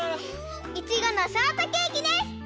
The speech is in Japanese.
いちごのショートケーキです！